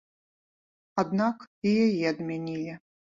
Аднак і яе адмянілі.